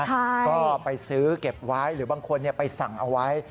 ก็ไปซื้อเก็บไว้หรือบางคนไปสั่งเอาไว้